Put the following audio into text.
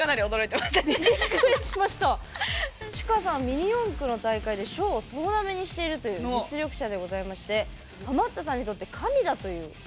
ミニ四駆の大会で賞を総なめにしているという実力者でございましてハマったさんにとって神だという。